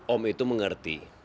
om itu mengerti